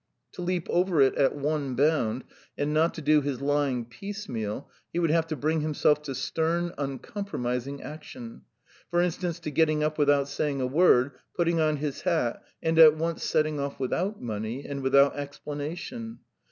To leap over it at one bound and not to do his lying piecemeal, he would have to bring himself to stern, uncompromising action; for instance, to getting up without saying a word, putting on his hat, and at once setting off without money and without explanation.